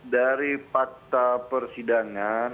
dari fakta persidangan